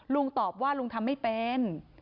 ตอบว่าลุงทำไม่เป็น